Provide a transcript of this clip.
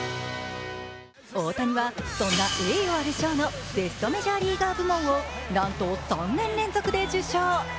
大谷は、そんな栄誉ある賞のベストメジャーリーガー部門をなんと３年連続で受賞。